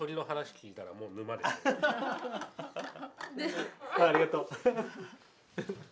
ありがとう。